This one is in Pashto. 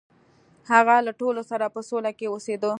هغه له ټولو سره په سوله کې اوسیده.